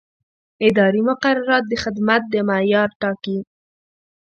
اداري مقررات د خدمت د معیار ټاکي.